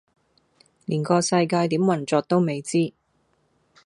連個世界點運作都未知